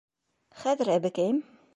—Хәҙер, әбекәйем!